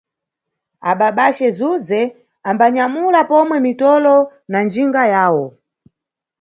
Ababace Zuze ambanyamula pomwe mitolo na njinga yawo.